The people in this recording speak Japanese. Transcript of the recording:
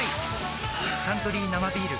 「サントリー生ビール」